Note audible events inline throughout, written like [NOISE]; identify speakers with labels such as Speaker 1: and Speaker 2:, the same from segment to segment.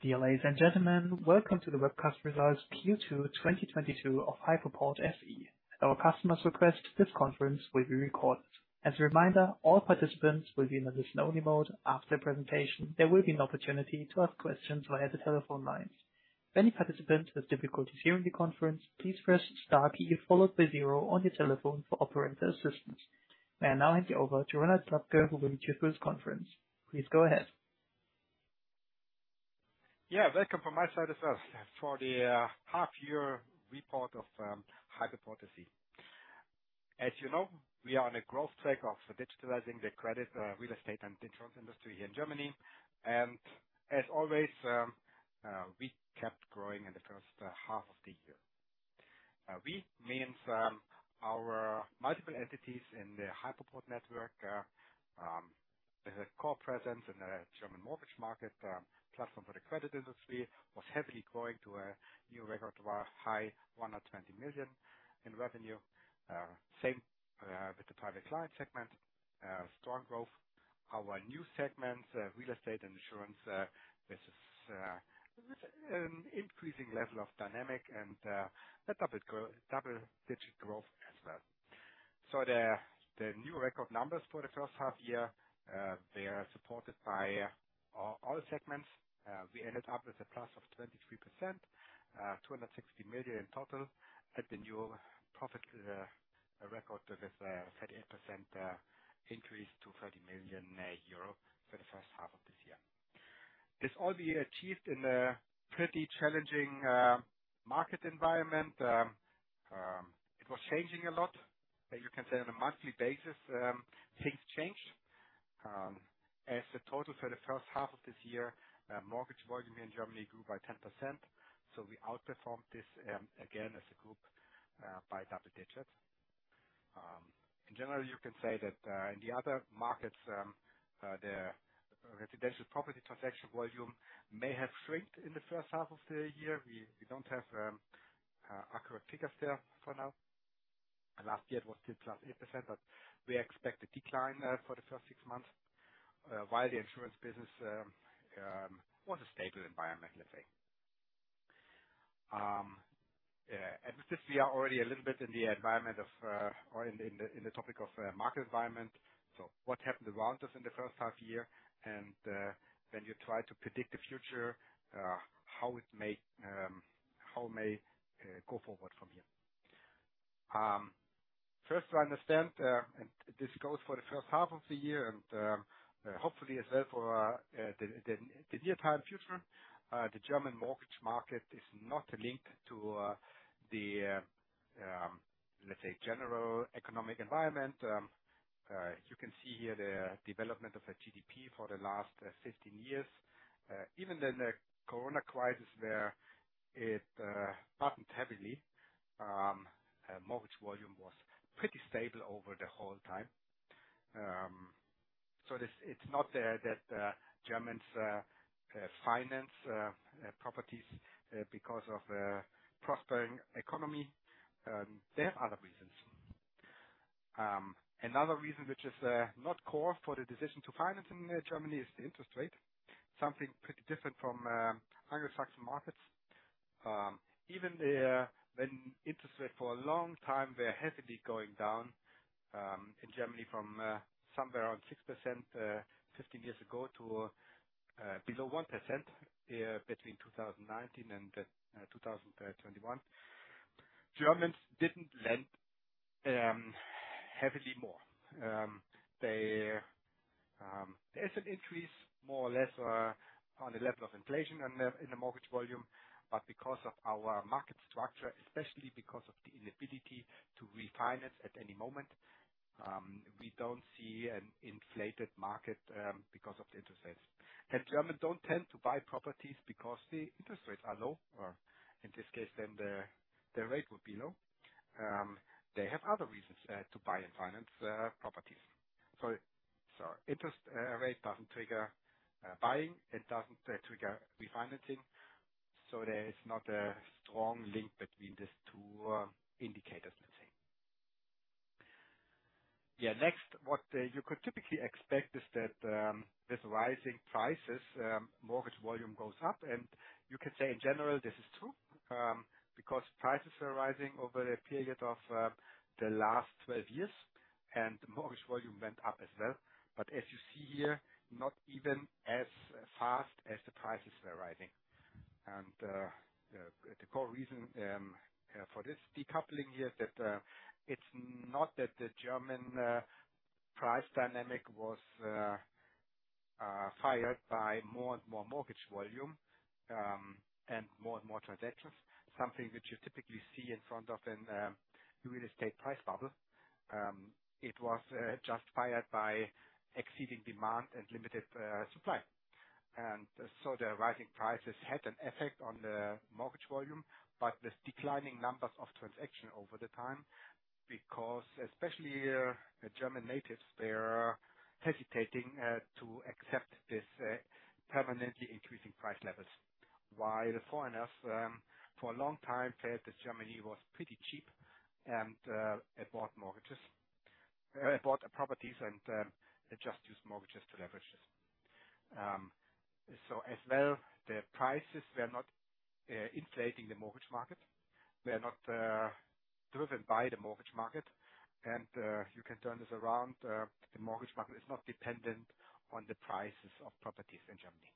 Speaker 1: Dear ladies and gentlemen, welcome to the webcast results Q2 2022 of Hypoport SE. At our customer's request, this conference will be recorded. As a reminder, all participants will be in a listen only mode. After the presentation, there will be an opportunity to ask questions via the telephone lines. Any participants with difficulties hearing the conference, please press star key followed by 0 on your telephone for operator assistance. I will now hand you over to Ronald Slabke who will lead you through this conference. Please go ahead.
Speaker 2: Yeah, welcome from my side as well for the half year report of Hypoport SE. As you know, we are on a growth track of digitizing the credit, real estate, and insurance industry here in Germany. As always, we kept growing in the first half of the year. We mean our multiple entities in the Hypoport network. The core presence in the German mortgage market, platform for the credit industry was heavily growing to a new record high of 120 million in revenue. Same with the Private Client segment, strong growth. Our new segment, Real Estate and Insurance, this is with an increasing level of dynamism and a double-digit growth as well. The new record numbers for the first half year, they are supported by all segments. We ended up with a plus of 23%. 260 million in total. The new profit record with a 38% increase to 30 million euro for the first half of this year. This all we achieved in a pretty challenging market environment. It was changing a lot. You can say on a monthly basis, things change. As a total for the first half of this year, mortgage volume in Germany grew by 10%. We outperformed this again as a group by double digits. In general, you can say that in the other markets the residential property transaction volume may have shrunk in the first half of the year. We don't have accurate figures there for now. Last year it was still +8%, but we expect a decline for the first six months. While the insurance business was a stable environment, let's say. Since we are already a little bit in the environment of, or in the topic of market environment. What happened around us in the first half year, and when you try to predict the future, how it may go forward from here. First to understand, and this goes for the first half of the year and, hopefully as well for the near-term future. The German mortgage market is not linked to the, let's say, general economic environment. You can see here the development of the GDP for the last 15 years. Even in the Corona crisis where it burdened heavily, mortgage volume was pretty stable over the whole time. It's not that Germans finance properties because of a prospering economy. They have other reasons. Another reason which is not core for the decision to finance in Germany is the interest rate. Something pretty different from Anglo-Saxon markets. Even when interest rates for a long time were heavily going down, in Germany from somewhere around 6%, 15 years ago to below 1%, between 2019 and 2021. Germans didn't lend heavily more. There's an increase more or less on the level of inflation in the mortgage volume. Because of our market structure, especially because of the inability to refinance at any moment, we don't see an inflated market, because of the interest rates. Germans don't tend to buy properties because the interest rates are low, or in this case then the rate would be low. They have other reasons to buy and finance properties. Interest rate doesn't trigger buying, it doesn't trigger refinancing. There is not a strong link between these two indicators, let's say. Yeah. Next, what you could typically expect is that, with rising prices, mortgage volume goes up. You can say in general this is true, because prices are rising over a period of the last 12 years, and the mortgage volume went up as well. As you see here, not even as fast as the prices were rising. The core reason for this decoupling here is that it's not that the German price dynamic was driven by more and more mortgage volume and more and more transactions. Something which you typically see in front of a real estate price bubble. It was just driven by excess demand and limited supply. The rising prices had an effect on the mortgage volume. With declining numbers of transactions over time, because especially the German natives, they're hesitating to accept this permanently increasing price levels. While the foreigners for a long time felt that Germany was pretty cheap and bought mortgages, bought the properties and just used mortgages to leverage this. As well, the prices were not inflating the mortgage market. They are not driven by the mortgage market. You can turn this around. The mortgage market is not dependent on the prices of properties in Germany.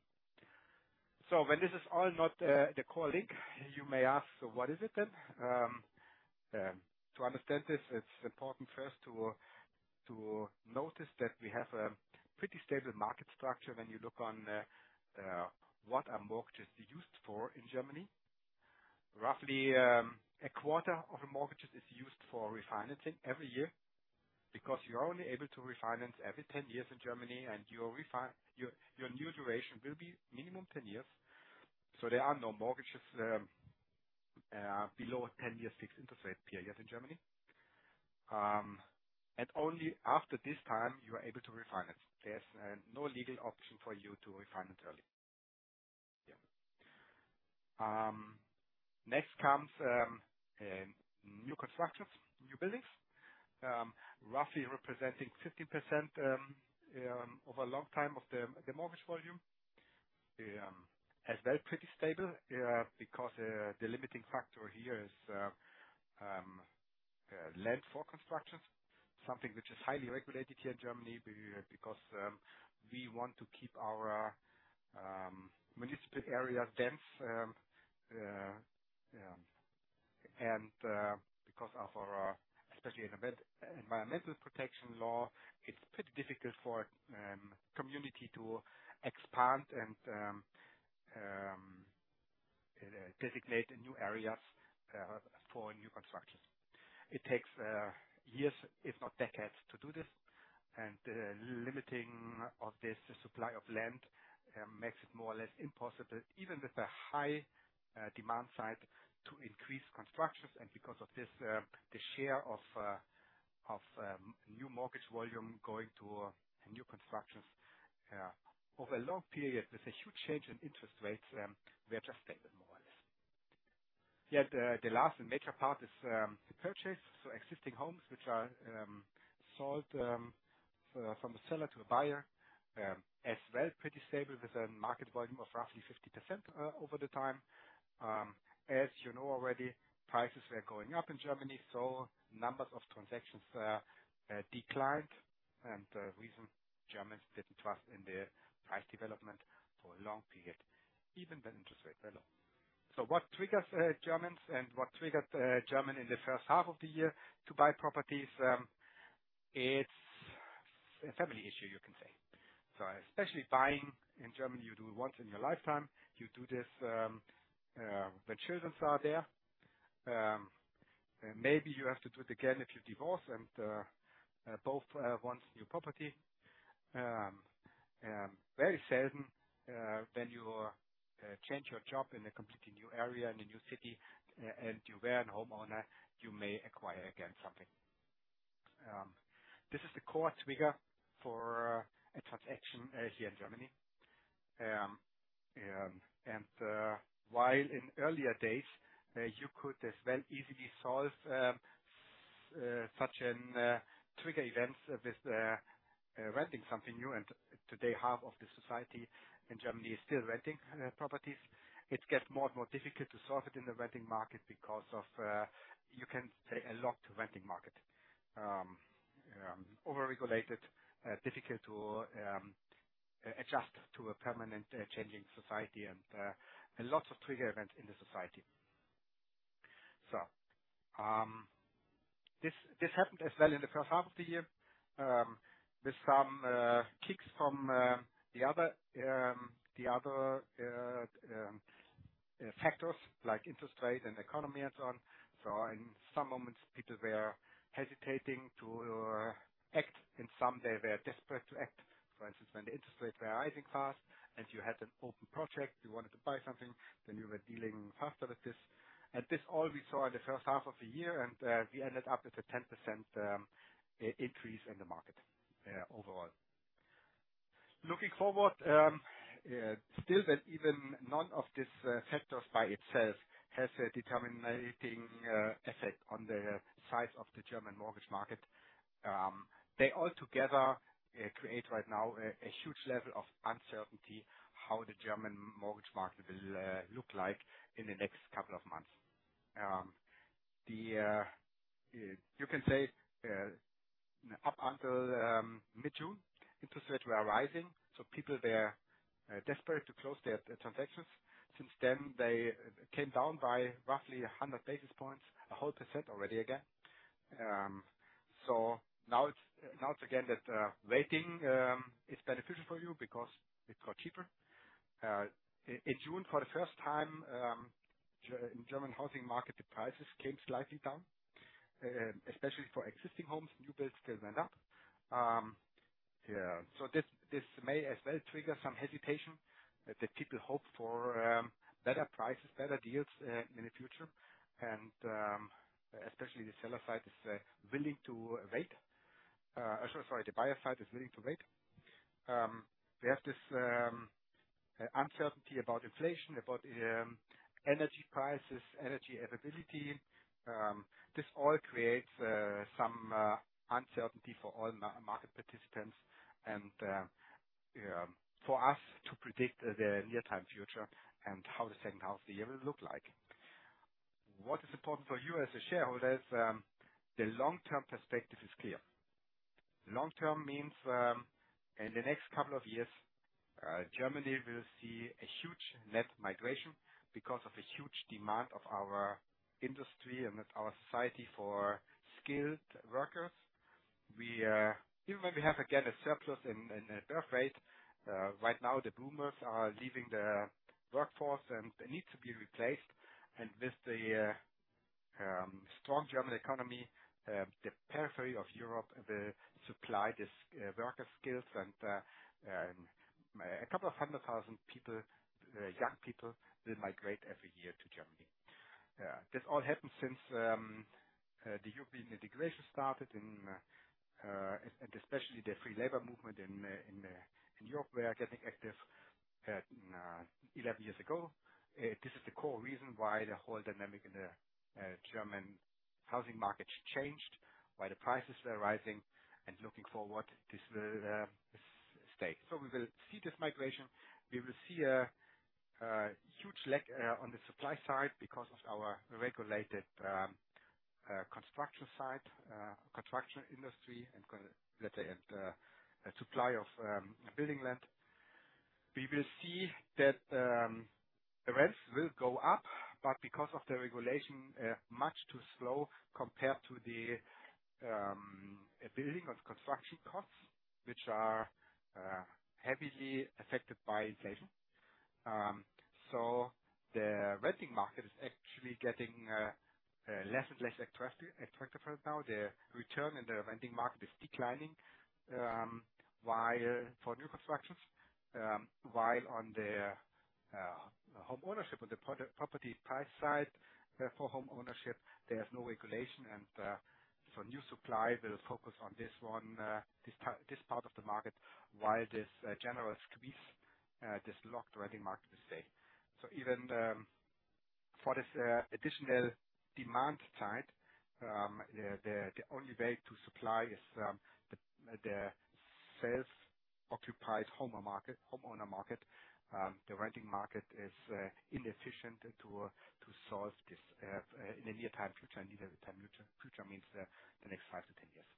Speaker 2: When this is all not the core link, you may ask, so what is it then? To understand this, it's important first to notice that we have a pretty stable market structure when you look on what are mortgages used for in Germany. Roughly, a quarter of a mortgage is used for refinancing every year because you are only able to refinance every 10 years in Germany, and your new duration will be minimum 10 years. There are no mortgages below a 10-year fixed interest rate period in Germany. Only after this time you are able to refinance. There's no legal option for you to refinance early. Yeah. Next comes new constructions, new buildings, roughly representing 50% over a long time of the mortgage volume. Pretty stable because the limiting factor here is land for constructions, something which is highly regulated here in Germany because we want to keep our municipal areas dense, and because of our especially environmental protection law, it's pretty difficult for community to expand and designate new areas for new constructions. It takes years, if not decades, to do this. The limiting of this supply of land makes it more or less impossible, even with a high demand side, to increase constructions. Because of this, the share of new mortgage volume going to new constructions over a long period with a huge change in interest rates, we are just stable more or less. Yet, the last and major part is the purchase. Existing homes which are sold from a seller to a buyer as well pretty stable with a market volume of roughly 50% over the time. As you know already, prices were going up in Germany, so numbers of transactions declined. The reason Germans didn't trust in the price development for a long period, even when interest rates were low. What triggers Germans and what triggered Germans in the first half of the year to buy properties? It's a family issue you can say. Especially buying in Germany, you do once in your lifetime. You do this when children are there. Maybe you have to do it again if you divorce, and both wants new property. Very seldom, when you change your job in a completely new area, in a new city, and you were a homeowner, you may acquire again something. This is the core trigger for a transaction here in Germany. While in earlier days, you could as well easily solve such a trigger event with renting something new. Today, half of the society in Germany is still renting properties. It gets more and more difficult to solve it in the renting market because of, you can say a lot to renting market. Over-regulated, difficult to adjust to a permanent changing society and lots of trigger events in the society. This happened as well in the first half of the year with some kicks from the other factors like interest rate and economy and so on. In some moments, people were hesitating to act, and some they were desperate to act. For instance, when the interest rates were rising fast and you had an open project, you wanted to buy something, then you were dealing faster with this. This all we saw in the first half of the year, and we ended up with a 10% increase in the market overall. Looking forward, still that even none of these factors by itself has a determining effect on the size of the German mortgage market. They all together create right now a huge level of uncertainty how the German mortgage market will look like in the next couple of months. You can say up until mid-June, interest rates were rising, so people were desperate to close their transactions. Since then, they came down by roughly 100 basis points, a whole percent already again. Now it's again that waiting is beneficial for you because it got cheaper. In June, for the first time, German housing market, the prices came slightly down, especially for existing homes. New builds still went up. This may as well trigger some hesitation that people hope for better prices, better deals in the future. Especially the seller side is willing to wait. Sorry, the buyer side is willing to wait. We have this uncertainty about inflation, about energy prices, energy availability. This all creates some uncertainty for all market participants and for us to predict the near-term future and how the second half of the year will look like. What is important for you as a shareholder is the long-term perspective is clear. Long term means in the next couple of years Germany will see a huge net migration because of the huge demand of our industry and our society for skilled workers. We even when we have, again, a surplus in the birth rate right now the boomers are leaving the workforce, and they need to be replaced. With the strong German economy, the periphery of Europe, the supply is skilled workers and a couple hundred thousand young people will migrate every year to Germany. This all happened since the European integration started and especially the free movement of labor in Europe were getting active 11 years ago. This is the core reason why the whole dynamic in the German housing market changed, why the prices were rising and looking forward, this will stay. We will see this migration. We will see a huge lack on the supply side because of our regulated construction industry and, let's say, supply of building land. We will see that rents will go up, but because of the regulation, much too slow compared to the building of construction costs, which are heavily affected by inflation. The renting market is actually getting less and less attractive right now. The return in the renting market is declining while on the homeownership of the property price side for homeownership, there's no regulation and so new supply will focus on this one, this part of the market while this general squeeze this locked renting market will stay. Even for this additional demand side, the only way to supply is the self-occupied homeowner market. The rental market is inefficient to solve this in the near-term future. Near-term future means the next 5-10 years.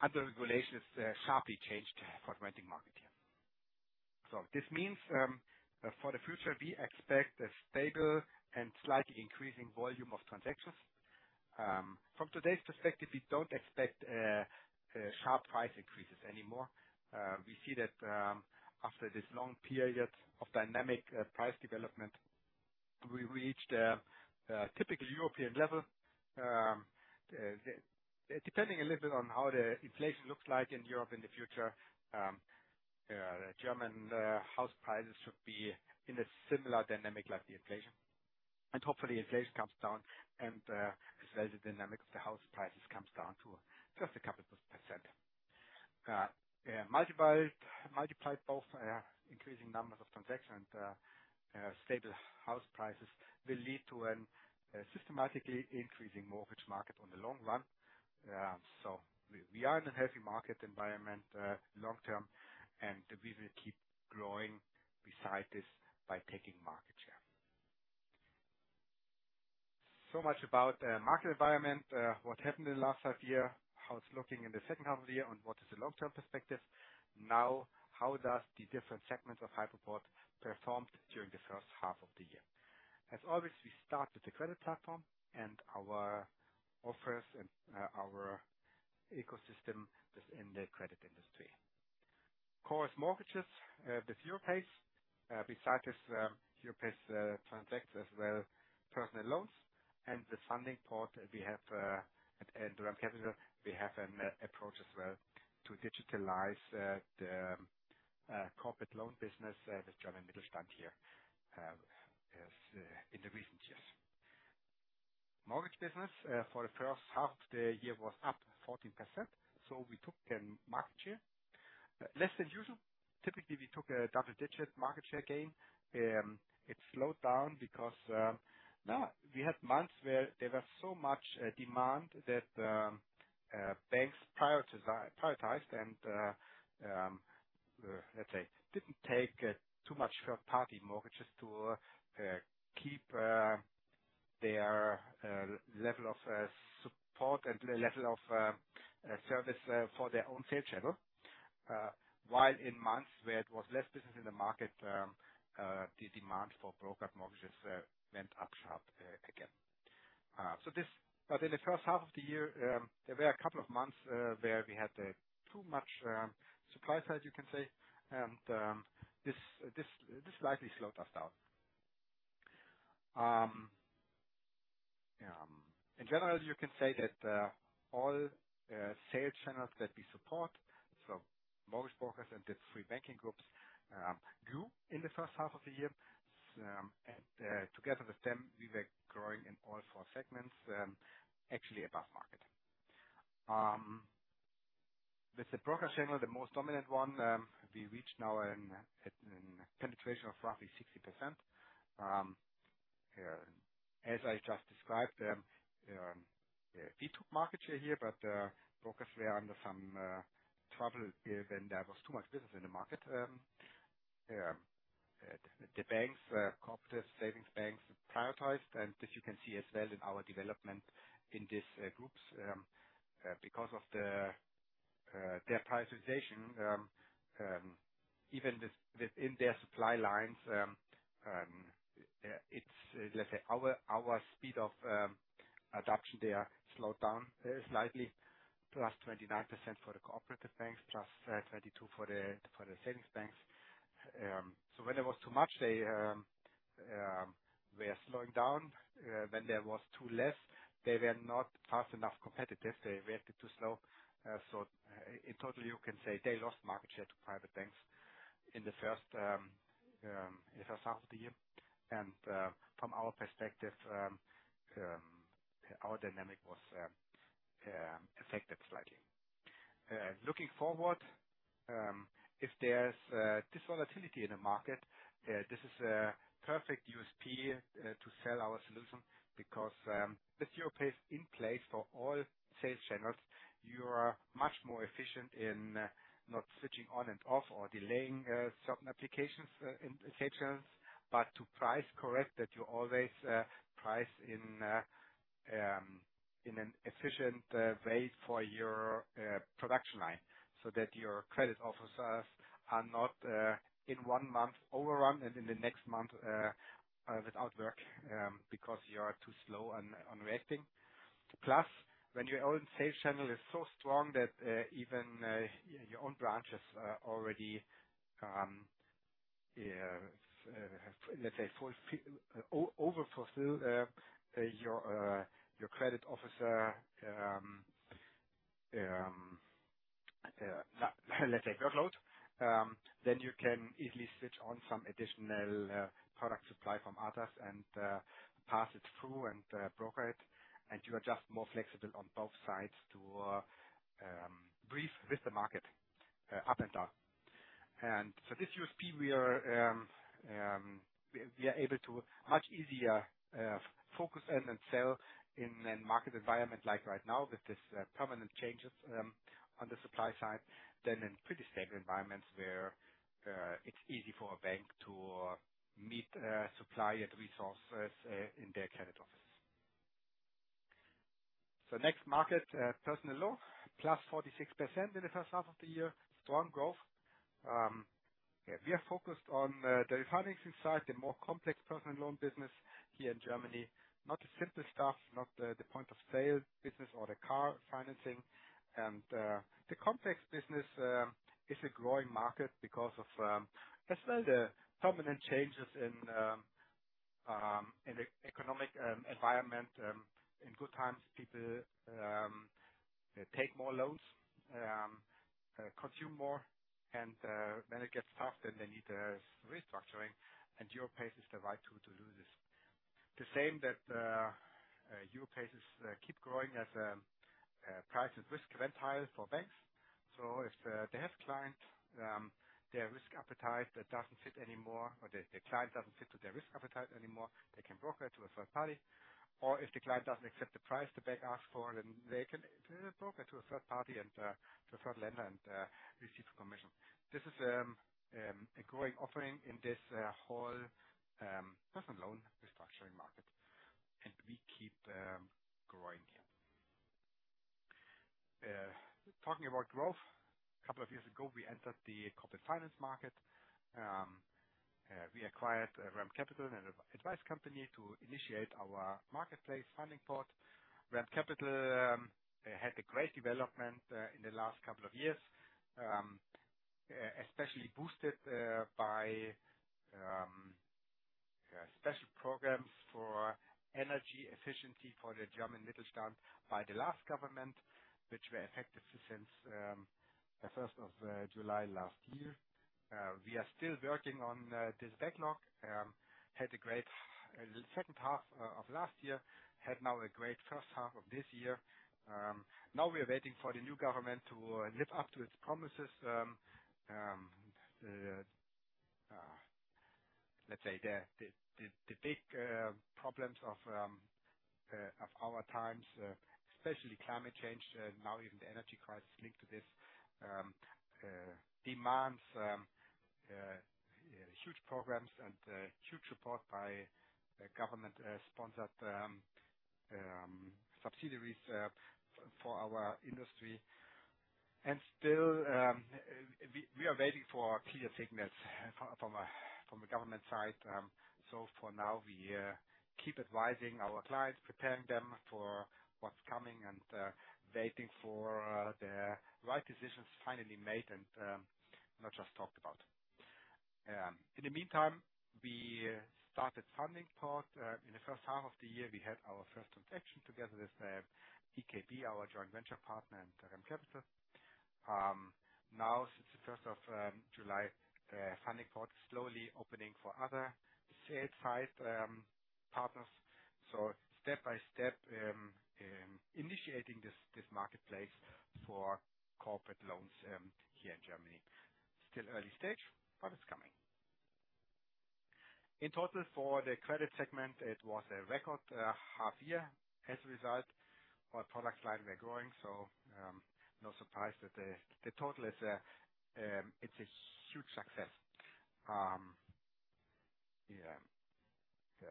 Speaker 2: Other regulations sharply changed for rental market here. This means for the future, we expect a stable and slightly increasing volume of transactions. From today's perspective, we don't expect sharp price increases anymore. We see that after this long period of dynamic price development, we reached a typical European level. Depending a little bit on how the inflation looks like in Europe in the future, German house prices should be in a similar dynamic like the inflation. Hopefully inflation comes down as well as the dynamics of the house prices comes down to just a couple percent. Multiplied both increasing numbers of transactions, stable house prices will lead to a systematically increasing mortgage market in the long run. We are in a healthy market environment long term, and we will keep growing besides this by taking market share. Much about the market environment, what happened in the last half year, how it's looking in the second half of the year, and what is the long-term perspective. Now, how does the different segments of Hypoport performed during the first half of the year? As always, we start with the credit platform and our offerings and our ecosystem within the credit industry. Core is mortgages with Europace. Besides this, Europace transacts as well personal loans and the funding part we have at REM Capital, we have an approach as well to digitalize the corporate loan business with German Mittelstand here as in the recent years. Mortgage business for the first half the year was up 14%, so we took the market share. Less than usual. Typically, we took a double-digit market share gain. It slowed down because now we had months where there was so much demand that banks prioritized and let's say didn't take too much third-party mortgages to keep their level of support and level of service for their own sales channel. While in months where it was less business in the market, the demand for broker mortgages went up sharply, again. In the first half of the year, there were a couple of months where we had too much supply side, you can say. This slightly slowed us down. In general, you can say that all sales channels that we support, so mortgage brokers and the three banking groups, grew in the first half of the year. Together with them, we were growing in all four segments actually above market. With the broker channel, the most dominant one, we reach now a penetration of roughly 60%. As I just described, we took market share here, but brokers were under some trouble when there was too much business in the market. The banks, cooperative and savings banks prioritized, and this you can see as well in our development in these groups. Because of their prioritization, even within their supply lines, let's say our speed of adaptation there slowed down slightly. +29% for the cooperative banks, +22% for the savings banks. When there was too much, they were slowing down. When there was too little, they were not fast enough competitive. They reacted too slow. In total, you can say they lost market share to private banks in the first half of the year. From our perspective, our dynamic was affected slightly. Looking forward, if there's this volatility in the market, this is a perfect USP to sell our solution because with Europace in place for all sales channels, you are much more efficient in not switching on and off or delaying certain applications in sales channels, but to price correct that you always price in an efficient way for your production line, so that your credit officers are not in one month overrun and in the next month without work because you are too slow on reacting. Plus, when your own sales channel is so strong that even your own branches are already, let's say, full, overfulfill your credit officer [INAUDIBLE] workload, then you can easily switch on some additional product supply from others and pass it through and broker it. You are just more flexible on both sides to breathe with the market up and down. This USP we are able to much easier focus and then sell in a market environment like right now with this permanent changes on the supply side than in pretty stable environments where it's easy for a bank to meet supply and resources in their credit office. Next market, personal loan. Plus 46% in the first half of the year. Strong growth. We are focused on the refinancing side, the more complex personal loan business here in Germany. Not the simple stuff, not the point of sale business or the car financing. The complex business is a growing market because of as well the permanent changes in the economic environment. In good times, people take more loans, consume more. When it gets tough, then they need a restructuring. Europace is the right tool to do this. The same that Europace keep growing as price and risk run higher for banks. If they have clients, their risk appetite that doesn't fit anymore, or the client doesn't fit to their risk appetite anymore, they can broker it to a third party. If the client doesn't accept the price the bank asks for, then they can broker to a third party and to a third lender and receive the commission. This is a growing offering in this whole personal loan restructuring market. We keep growing here. Talking about growth. A couple of years ago, we entered the corporate finance market. We acquired REM Capital, an advice company, to initiate our marketplace Fundingport. REM Capital had a great development in the last couple of years especially boosted by special programs for energy efficiency for the German Mittelstand by the last government, which were effective since the first of July last year. We are still working on this backlog. Had a great second half of last year. Had now a great first half of this year. Now we are waiting for the new government to live up to its promises. Let's say the big problems of our times especially climate change now even the energy crisis linked to this demands huge programs and huge support by government sponsored subsidiaries for our industry. We are waiting for clear signals from the government side. For now, we keep advising our clients, preparing them for what's coming and waiting for the right decisions finally made and not just talked about. In the meantime, we started Fundingport. In the first half of the year, we had our first transaction together with IKB, our joint venture partner, and REM Capital. Now since the first of July, Fundingport slowly opening for other sales side partners. Step by step initiating this marketplace for corporate loans here in Germany. Still early stage, but it's coming. The total for the Credit segment, it was a record half year as a result. Our product line, we are growing, so no surprise that the total is, it's a huge success.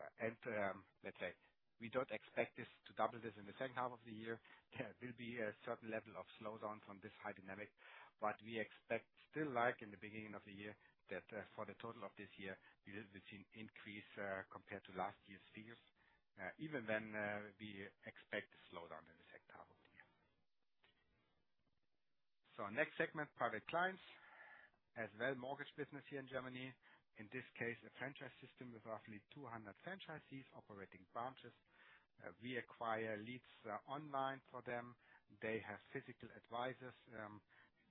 Speaker 2: Let's say we don't expect this to double this in the second half of the year. There will be a certain level of slowdown from this high dynamic, but we expect still like in the beginning of the year that, for the total of this year, we will be seeing increase, compared to last year's figures. Even then, we expect a slowdown in the second half of the year. Our next segment, Private Clients, as well as mortgage business here in Germany. In this case, a franchise system with roughly 200 franchisees operating branches. We acquire leads, online for them. They have physical advisors,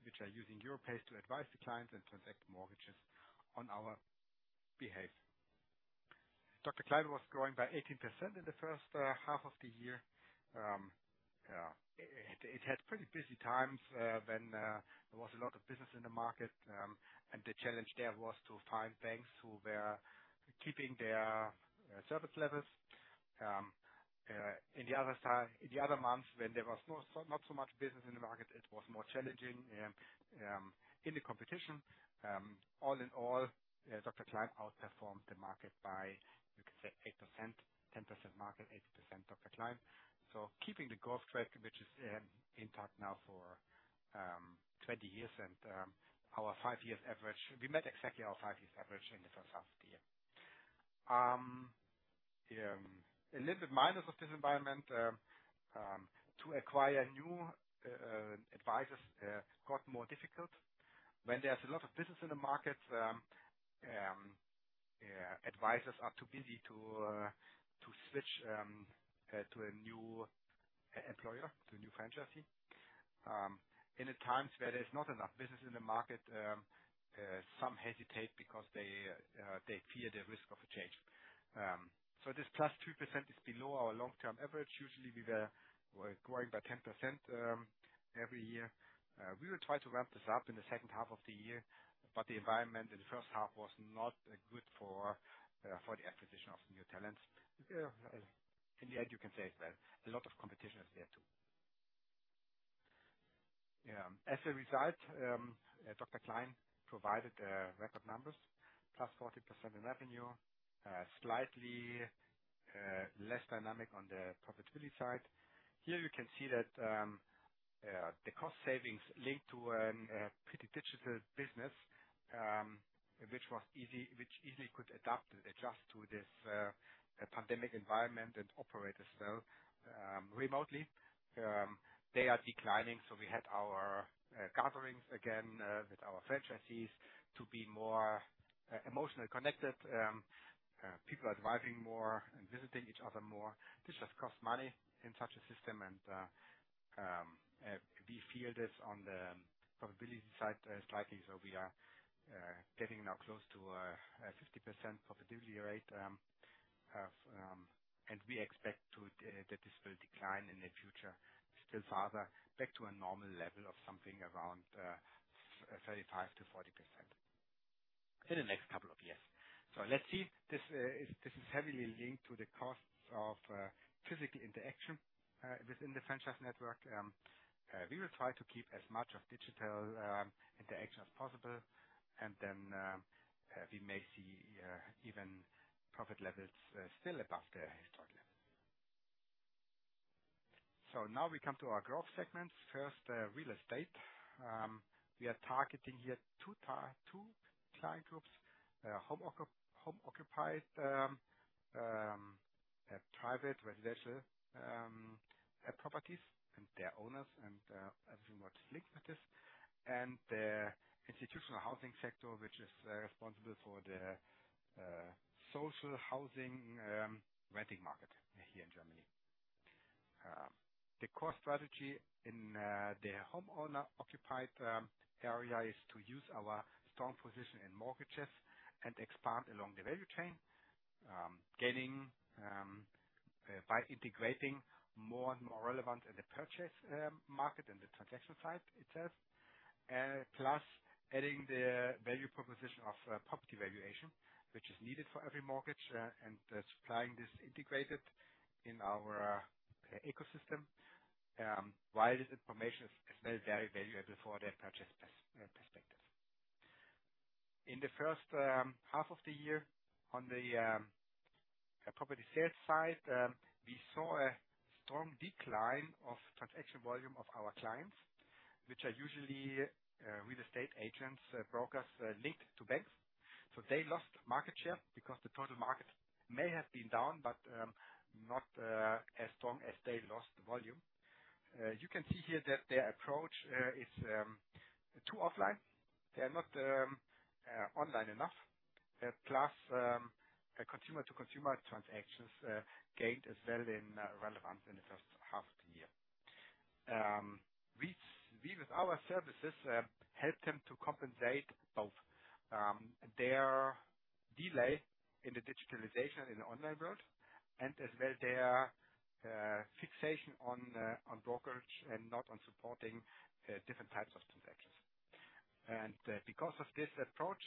Speaker 2: which are using Europace to advise the clients and transact mortgages on our behalf. Dr. Klein was growing by 18% in the first half of the year. It had pretty busy times when there was a lot of business in the market, and the challenge there was to find banks who were keeping their service levels. In the other months when there was not so much business in the market, it was more challenging in the competition. All in all, Dr. Klein outperformed the market by, you could say 8%, 10% market, 8% Dr. Klein. Keeping the growth track, which is intact now for 20 years and our five-year average. We met exactly our five-year average in the first half of the year. A little bit in this environment to acquire new advisors got more difficult. When there's a lot of business in the market, advisors are too busy to switch to a new employer, to a new franchisee. In the times where there's not enough business in the market, some hesitate because they fear the risk of a change. This +2% is below our long-term average. Usually, we were growing by 10% every year. We will try to ramp this up in the second half of the year, but the environment in the first half was not good for the acquisition of new talents. In the end, you can say as well a lot of competition is there too. As a result, Dr. Klein provided record numbers, +40% in revenue, slightly less dynamic on the profitability side. Here you can see that the cost savings linked to a pretty digital business, which easily could adapt and adjust to this pandemic environment and operate as well remotely. They are declining, so we had our gatherings again with our franchisees to be more emotionally connected. People are driving more and visiting each other more. This just costs money in such a system and we feel this on the profitability side, slightly. We are getting now close to a 50% profitability rate. We expect that this will decline in the future, still farther back to a normal level of something around 35%-40% in the next couple of years. Let's see. This is heavily linked to the costs of physical interaction within the franchise network. We will try to keep as much of digital interaction as possible, and then we may see even profit levels still above the historical. Now we come to our growth segments. First, Real Estate. We are targeting here two client groups, home occupied private residential properties and their owners and everything what's linked with this. The institutional housing sector, which is responsible for the social housing renting market here in Germany. The core strategy in the homeowner occupied area is to use our strong position in mortgages and expand along the value chain, getting by integrating more and more relevant in the purchase market and the transaction side itself. Plus adding the value proposition of property valuation, which is needed for every mortgage and supplying this integrated in our ecosystem. While this information is made very valuable for the purchase perspective. In the first half of the year on the property sales side, we saw a strong decline of transaction volume of our clients, which are usually real estate agents, brokers linked to banks. They lost market share because the total market may have been down, but not as strong as they lost volume. You can see here that their approach is too offline. They are not online enough. Plus, a consumer to consumer transactions gained as well in relevance in the first half of the year. We with our services help them to compensate both their delay in the digitalization in the online world and as well their fixation on brokerage and not on supporting different types of transactions. Because of this approach,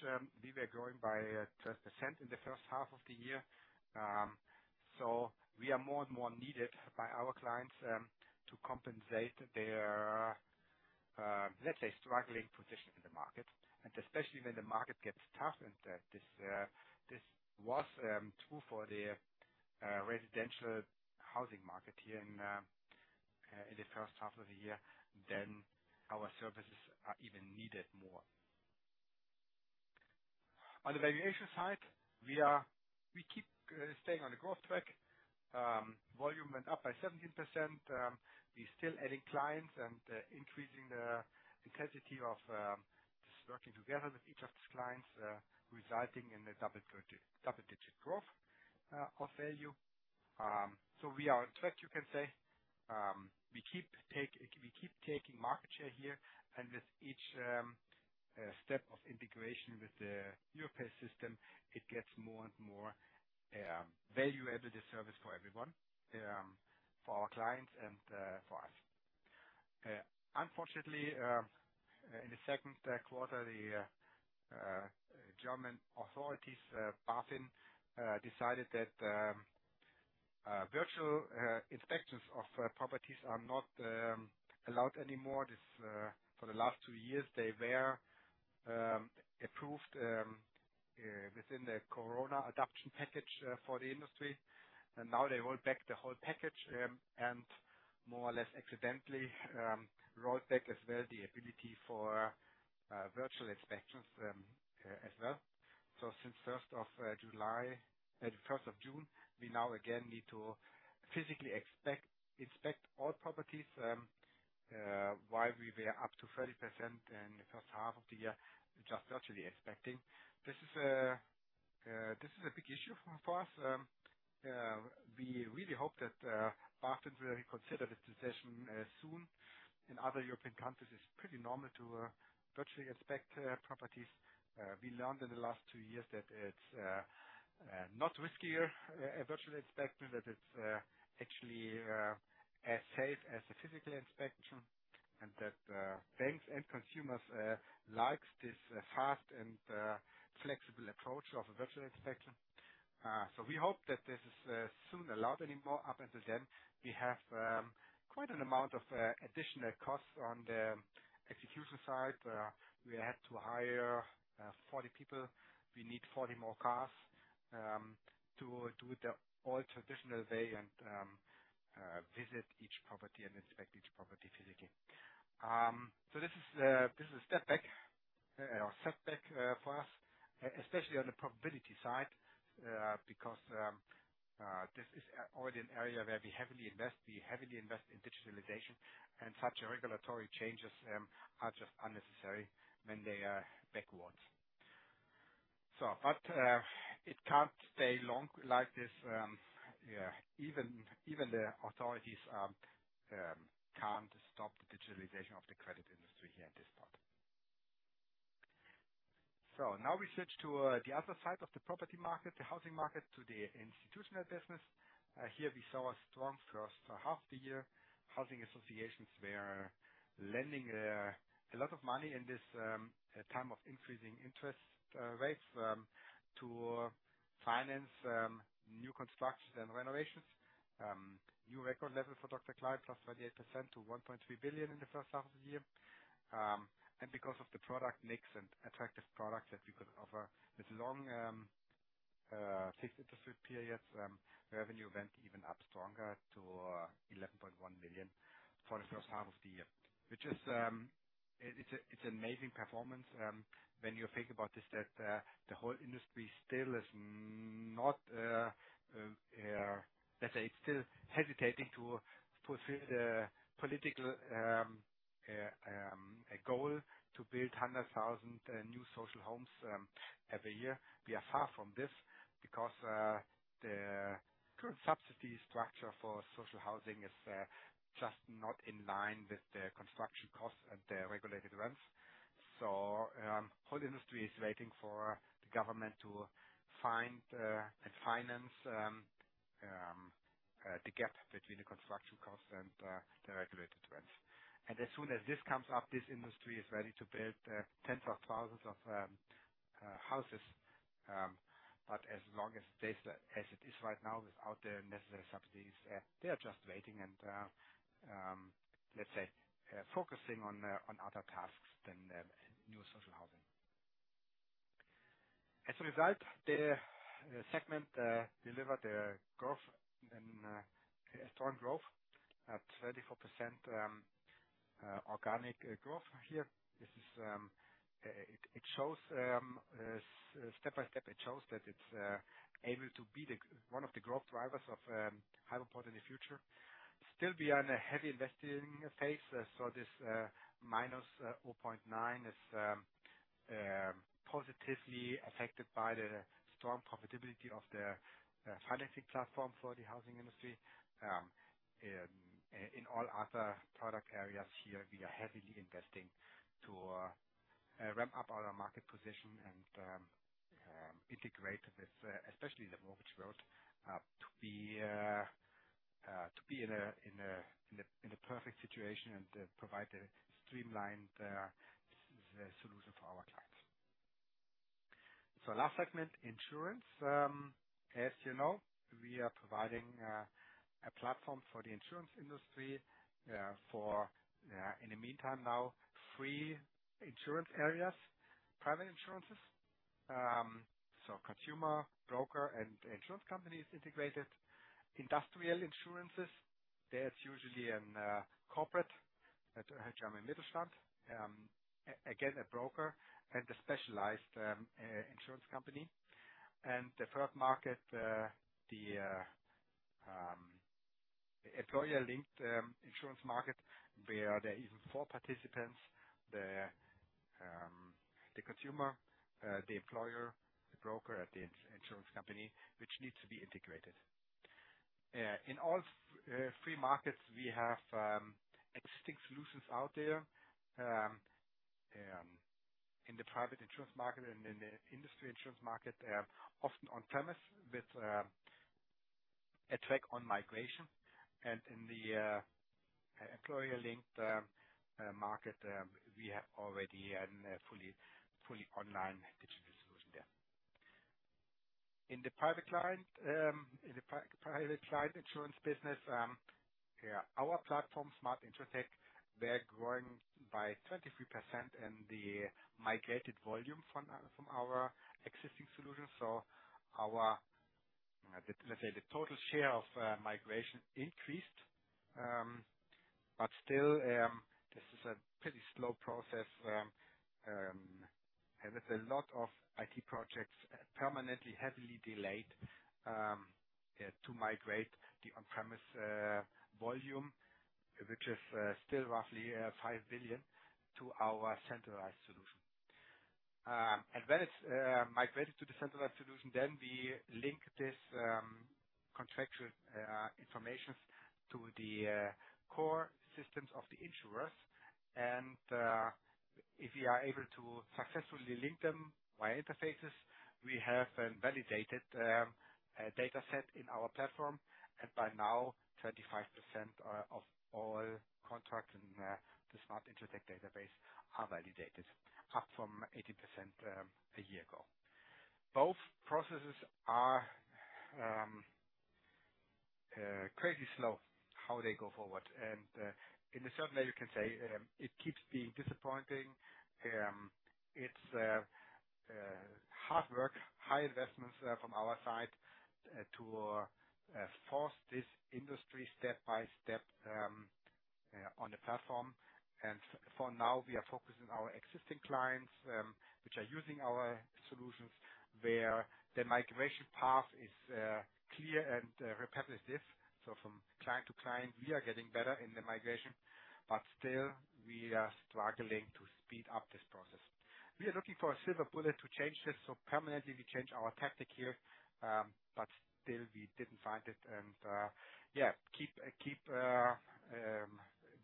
Speaker 2: we were growing by 12% in the first half of the year. We are more and more needed by our clients to compensate their let's say struggling position in the market. Especially when the market gets tough and that this was true for the residential housing market here in the first half of the year, then our services are even needed more. On the valuation side, we keep staying on the growth track. Volume went up by 17%. We still adding clients and increasing the quantity of just working together with each of these clients, resulting in a double digit growth of value. So we are on track you can say. We keep taking market share here, and with each step of integration with the new pay system, it gets more and more value added service for everyone, for our clients and for us. Unfortunately, in the second quarter, the German authorities, BaFin, decided that virtual inspections of properties are not allowed anymore. This for the last two years, they were approved within the Corona adoption package for the industry. Now they roll back the whole package, and more or less accidentally, roll back as well the ability for virtual inspections, as well. Since the first of June, we now again need to physically inspect all properties, while we were up to 30% in the first half of the year just virtually inspecting. This is a big issue for us. We really hope that BaFin will reconsider this decision soon. In other European countries, it's pretty normal to virtually inspect properties. We learned in the last two years that it's not riskier, a virtual inspection, that it's actually as safe as a physical inspection and that banks and consumers likes this fast and flexible approach of a virtual inspection. We hope that this is soon allowed anymore. Up until then, we have quite an amount of additional costs on the execution side. We had to hire 40 people. We need 40 more cars to do the old traditional way and visit each property and inspect each property physically. This is a step back or setback for us, especially on the profitability side, because this is already an area where we heavily invest. We heavily invest in digitalization, and such regulatory changes are just unnecessary when they are backwards. It can't stay long like this. Even the authorities can't stop the digitalization of the credit industry here at this point. Now we switch to the other side of the property market, the housing market, to the institutional business. Here we saw a strong first half of the year. Housing associations were lending a lot of money in this time of increasing interest rates to finance new construction and renovations. New record level for Dr. Klein. Klein, plus 38% to 1.3 billion in the first half of the year. Because of the product mix and attractive products that we could offer with long fixed interest periods, revenue went even up stronger to 11.1 million for the first half of the year. Which is, it's amazing performance when you think about the fact that the whole industry still is not, let's say, still hesitating to fulfill the political goal to build 100,000 new social homes every year. We are far from this because the current subsidy structure for social housing is just not in line with the construction costs and the regulated rents. Whole industry is waiting for the government to find and finance the gap between the construction costs and the regulated rents. As soon as this comes up, this industry is ready to build tens of thousands of houses. As long as it stays as it is right now, without the necessary subsidies, they are just waiting and let's say focusing on other tasks than new social housing. As a result, the segment delivered a strong growth at 34%, organic growth here. This shows step by step that it's able to be the one of the growth drivers of Hypoport in the future. Still we are in a heavy investing phase, so this -0.9% is positively affected by the strong profitability of the financing platform for the housing industry. In all other product areas here, we are heavily investing to ramp up our market position and integrate with especially the mortgage world to be in a perfect situation and provide a streamlined solution for our clients. Last segment, Insurance. As you know, we are providing a platform for the insurance industry for in the meantime now three insurance areas. Private insurances so consumer, broker, and insurance companies integrated. Industrial insurances that's usually in corporate at German Mittelstand. Again a broker and a specialized insurance company. The third market the employer-linked insurance market, where there are even four participants, the consumer, the employer, the broker, and the insurance company, which needs to be integrated. In all three markets, we have existing solutions out there. In the private insurance market and in the industry insurance market often on premise with a track on migration. In the employer-linked market we have already an fully online digital solution there. In the private client insurance business, our platform, Smart InsurTech, they are growing by 23% in the migrated volume from our existing solutions. Our, let's say, the total share of migration increased. Still, this is a pretty slow process and with a lot of IT projects permanently heavily delayed to migrate the on-premise volume, which is still roughly 5 billion to our centralized solution. When it's migrated to the centralized solution, then we link this contractual information to the core systems of the insurers. If you are able to successfully link them via interfaces, we have a validated data set in our platform. By now, 35% of all contracts in the Smart InsurTech database are validated, up from 80% a year ago. Both processes are crazy slow, how they go forward. In a certain way, you can say it keeps being disappointing. It's hard work, high investments from our side to force this industry step by step on the platform. For now, we are focusing our existing clients which are using our solutions, where the migration path is clear and repetitive. From client to client, we are getting better in the migration, but still we are struggling to speed up this process. We are looking for a silver bullet to change this, permanently we change our tactic here, but still we didn't find it. Yeah, keep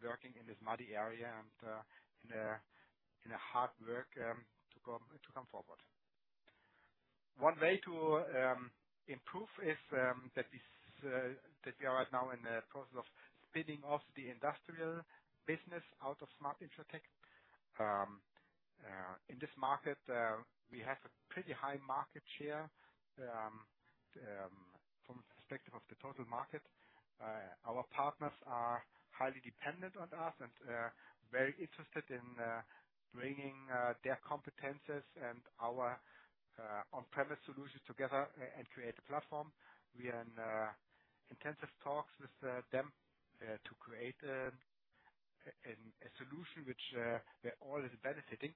Speaker 2: working in this muddy area and in a hard work to come forward. One way to improve is that we are right now in the process of spinning off the industrial business out of Smart InsurTech. In this market, we have a pretty high market share from the perspective of the total market. Our partners are highly dependent on us and very interested in bringing their competencies and our on-premise solutions together and create a platform. We are in intensive talks with them to create a solution which we're all benefiting.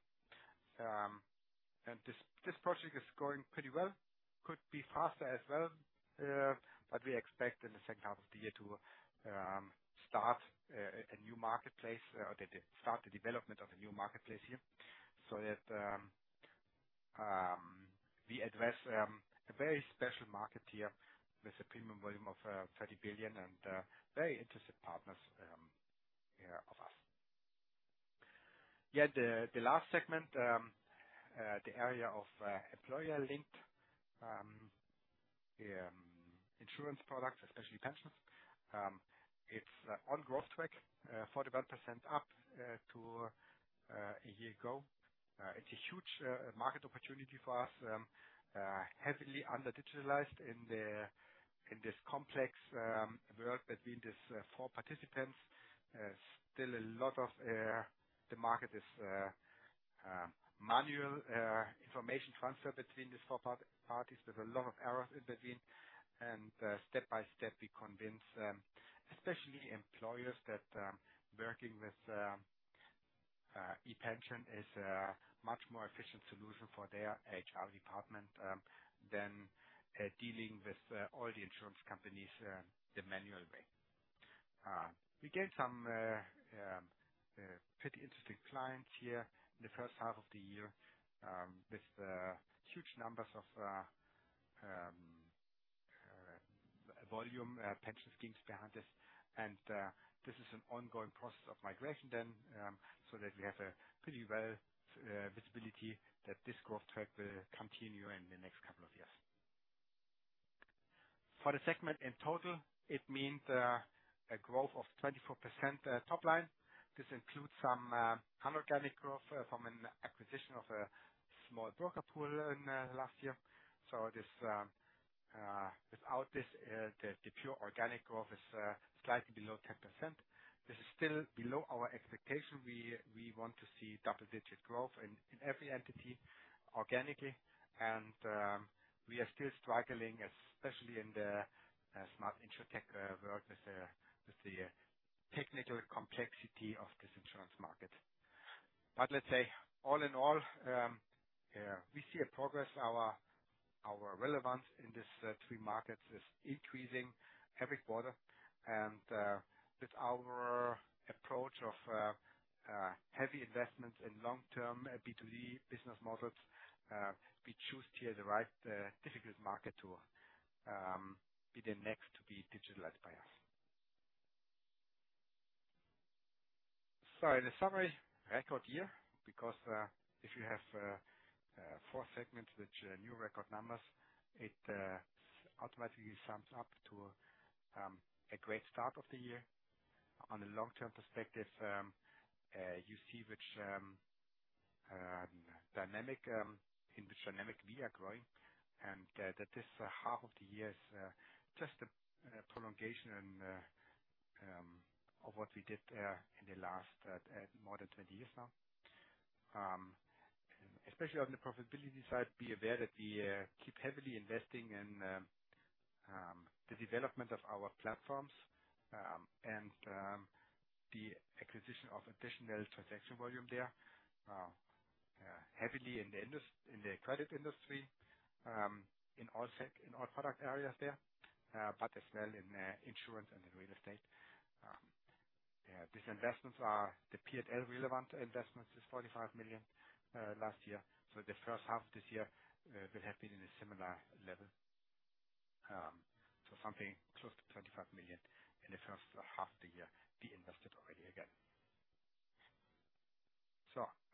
Speaker 2: This project is going pretty well. Could be faster as well, but we expect in the second half of the year to start the development of a new marketplace here. We address a very special market here with a premium volume of 30 billion and very interested partners of us. Yeah. The last segment, the area of employer-linked insurance products, especially pensions. It's on growth track, 41% up to a year ago. It's a huge market opportunity for us, heavily under-digitalized in this complex world between these four participants. Still a lot of the market is manual information transfer between these four parties. There's a lot of errors in between. Step-by-step, we convince especially employers that working with ePension is a much more efficient solution for their HR department than dealing with all the insurance companies the manual way. We gained some pretty interesting clients here in the first half of the year with huge numbers of volume pension schemes behind this. This is an ongoing process of migration then so that we have a pretty well visibility that this growth track will continue in the next couple of years. For the segment in total, it means a growth of 24% top line. This includes some inorganic growth from an acquisition of a small broker pool in last year. This, without this, the pure organic growth is slightly below 10%. This is still below our expectation. We want to see double-digit growth in every entity organically. We are still struggling, especially in the Smart InsurTech world with the technical complexity of this insurance market. Let's say all in all, we see a progress. Our relevance in this three markets is increasing every quarter. With our approach of heavy investments in long-term B2B business models, we choose here the right difficult market to be the next to be digitalized by us. In the summary, record year, because if you have four segments which are new record numbers, it automatically sums up to a great start of the year. On a long-term perspective, you see in which dynamic we are growing, and that this half of the year is just a prolongation of what we did in the last more than 20 years now. Especially on the profitability side, be aware that we keep heavily investing in the development of our platforms and the acquisition of additional transaction volume there, heavily in the credit industry, in all product areas there, but as well in insurance and in real estate. These investments are the P&L relevant investments is 45 million last year. The first half this year will have been in a similar level. Something close to 25 million in the first half of the year be invested already again.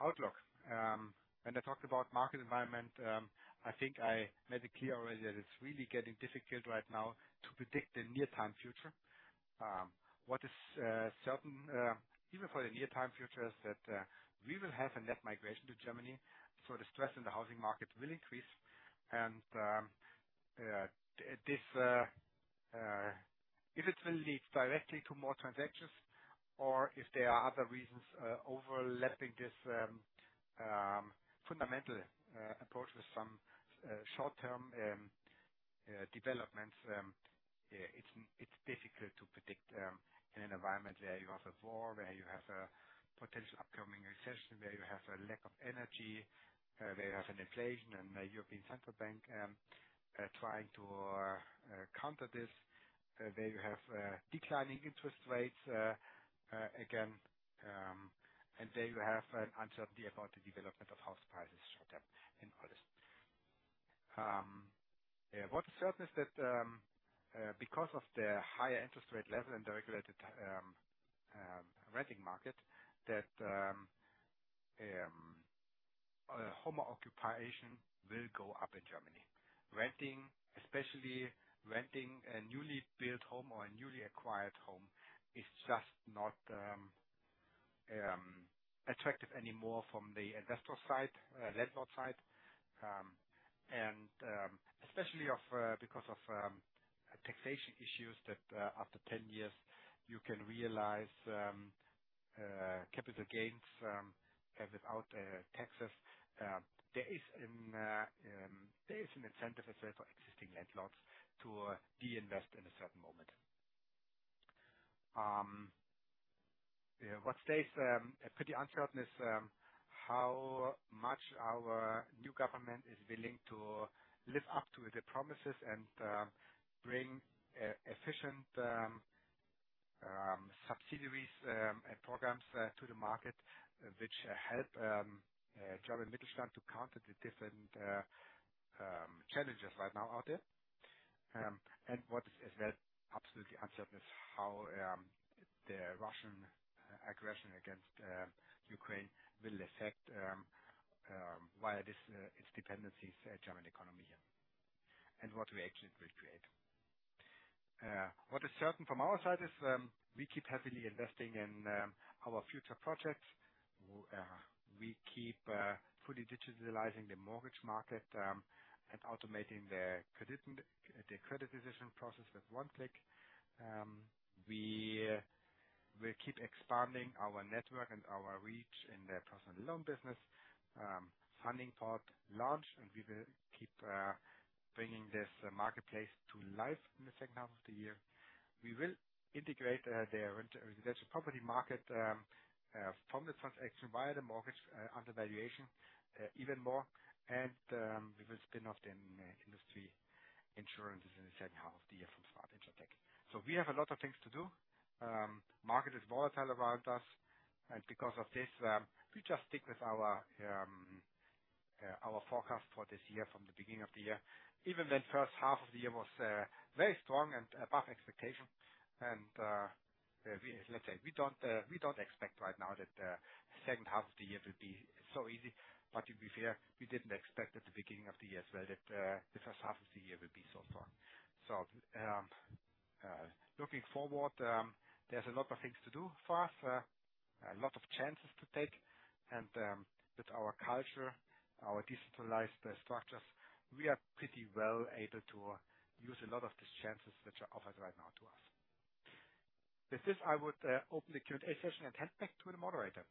Speaker 2: Outlook. When I talked about market environment, I think I made it clear already that it's really getting difficult right now to predict the near-term future. What is certain even for the near-term future is that we will have a net migration to Germany, so the stress in the housing market will increase. This, if it will lead directly to more transactions or if there are other reasons overlapping this fundamental approach with some short-term developments, it's difficult to predict in an environment where you have a war, where you have a potential upcoming recession, where you have a lack of energy, where you have an inflation and a European Central Bank trying to counter this, where you have declining interest rates again, and where you have an uncertainty about the development of house prices short-term in all this. What is certain is that, because of the higher interest rate level in the regulated renting market, home occupation will go up in Germany. Renting, especially renting a newly built home or a newly acquired home is just not attractive anymore from the investor side, landlord side. Especially because of taxation issues that after 10 years you can realize capital gains without taxes. There is an incentive as well for existing landlords to de-invest in a certain moment. What stays a pretty uncertain is how much our new government is willing to live up to the promises and bring efficient subsidies and programs to the market, which help German Mittelstand to counter the different challenges right now out there. What is as well absolutely uncertain is how the Russian aggression against Ukraine will affect via this its dependencies German economy and what we actually will create. What is certain from our side is we keep heavily investing in our future projects. We keep fully digitalizing the mortgage market and automating the credit decision process with one click. We will keep expanding our network and our reach in the personal loan business. Fundingport launch, and we will keep bringing this marketplace to life in the second half of the year. We will integrate the residential property market from the transaction via the mortgage underwriting, valuation even more. We will spin off the industrial insurance in the second half of the year from Smart InsurTech. We have a lot of things to do. Market is volatile around us, and because of this, we just stick with our forecast for this year from the beginning of the year. Even when first half of the year was very strong and above expectation, we don't expect right now that the second half of the year will be so easy. To be fair, we didn't expect at the beginning of the year as well that the first half of the year would be so strong. Looking forward, there's a lot of things to do for us, a lot of chances to take. With our culture, our decentralized structures, we are pretty well able to use a lot of these chances which are offered right now to us. With this, I would open the Q&A session and hand back to the moderator.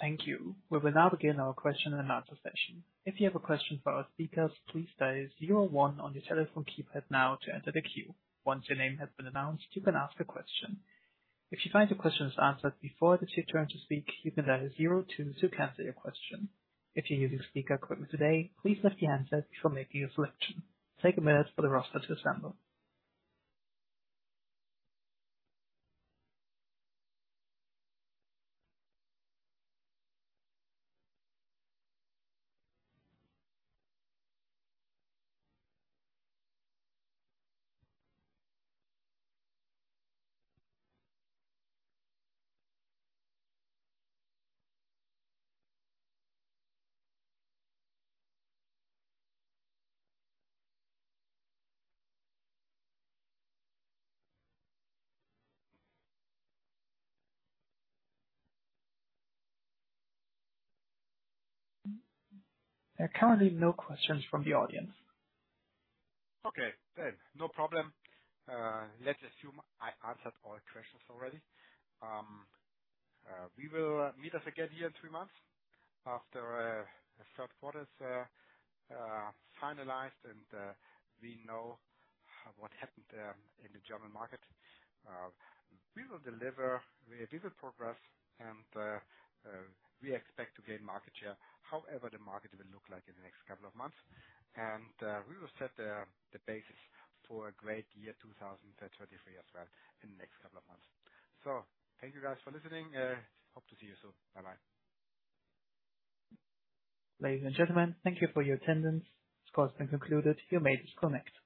Speaker 1: Thank you. We will now begin our question and answer session. If you have a question for our speakers, please dial 0 1 on your telephone keypad now to enter the queue. Once your name has been announced, you can ask a question. If you find your question is answered before it is your turn to speak, you can dial 0 2 to cancel your question. If you're using speaker equipment today, please lift your handset before making a selection. Take a minute for the roster to assemble. There are currently no questions from the audience.
Speaker 2: Okay, then. No problem. Let's assume I answered all questions already. We will meet us again here in three months after the third quarter is finalized, and we know what happened in the German market. We will deliver. We will progress. We expect to gain market share however the market will look like in the next couple of months. We will set the basis for a great year 2023 as well in the next couple of months. Thank you guys for listening. Hope to see you soon. Bye-bye.
Speaker 1: Ladies and gentlemen, thank you for your attendance. This call has been concluded. You may disconnect.